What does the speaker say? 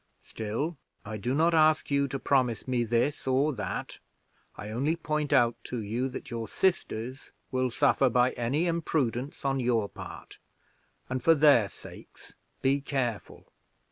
Still I do not ask you to promise me this or that; I only point out to you that your sisters will suffer by any imprudence on your part; and for their sakes be careful.